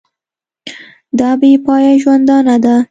دا بې پایه ژوندانه ده.